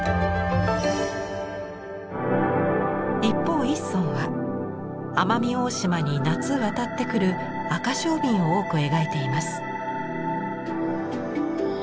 一方一村は奄美大島に夏渡ってくる赤翡翠を多く描いています。